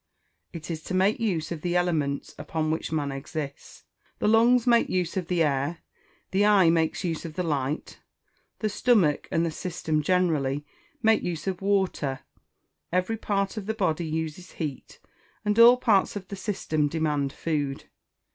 It is to make use of the elements upon which man exists. The lungs make use of the air; the eye makes use of the light; the stomach, and the system generally, make use of water; every part of the body uses heat; and all parts of the system demand food.